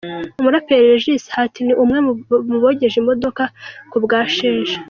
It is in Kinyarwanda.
Umuraperi Regis Hat ni umwe mu bogeje imodoka kubwa Sheja.